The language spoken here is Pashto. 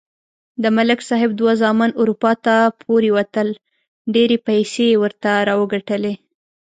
د ملک صاحب دوه زامن اروپا ته پورې وتل. ډېرې پیسې یې ورته راوگټلې.